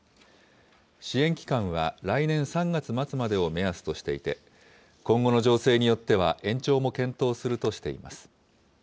支援期間は来年３月末までを目安としていて、今後の情勢によっては延長も検討するとしています。